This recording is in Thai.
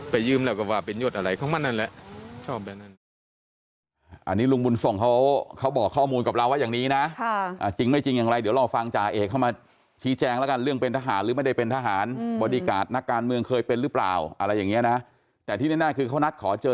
ไปยืมแล้วก็ว่าเป็นยดอะไรเขามานั่นแหละชอบแบบนั้น